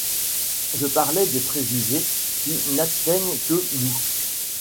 Je parlais des préjugés qui n'atteignent que nous.